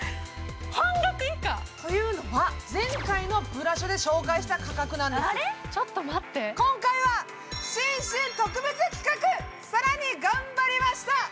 半額以下！というのは前回のブラショで紹介した価格なんですちょっと待って今回は新春特別企画さらに頑張りました！